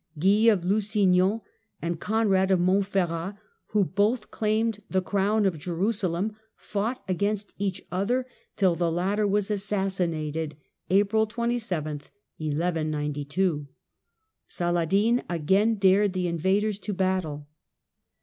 Guy of Lusignan, and Con rad of Montferrat, who both claimed the crown of Jeru salem, fought against each other till the latter was assas sinated, April 27, 1 192. Saladin again dared the invaders to battle.